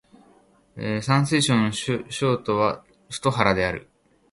山西省の省都は太原である